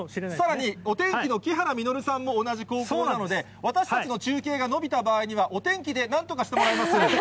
さらにお天気の木原実さんも同じ高校なので、私たちの中継が延びた場合には、お天気でなんとかしてもらいます。